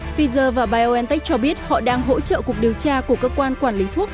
pfizer và biontech cho biết họ đang hỗ trợ cuộc điều tra của cơ quan quản lý thuốc